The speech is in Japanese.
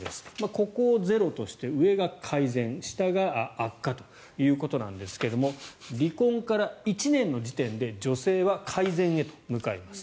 ここをゼロとして上が改善、下が悪化ということなんですが離婚から１年の時点で女性は改善へと向かいます。